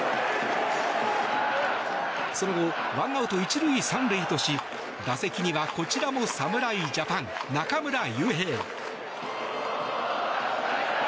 その後、１アウト１塁３塁とし打席にはこちらも侍ジャパン中村悠平。